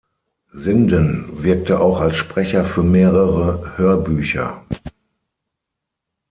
Sinden wirkte auch als Sprecher für mehrere Hörbücher.